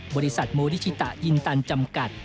บริษัทโมริชิตายินตันจำกัด